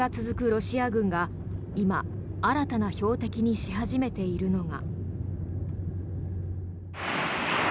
ロシア軍が今、新たな標的にし始めているのが。